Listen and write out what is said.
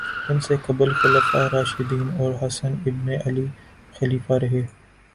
ان سے قبل خلفائے راشدین اور حسن ابن علی خلیفہ رہے